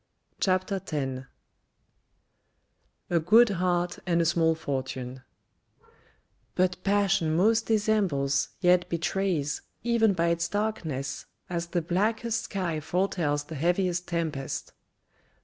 CHAPTER X A GREAT HEART AND A SMALL FORTUNE But passion most disembles, yet betrays, Even by its darkness, as the blackest sky Foretells the heaviest tempest.